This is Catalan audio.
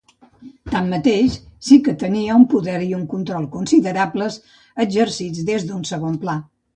Tanmateix, sí que tenia un poder i un control considerables exercits des d'un segon pla.